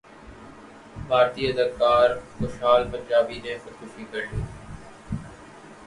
بھارتی اداکار کشال پنجابی نے خودکشی کرلی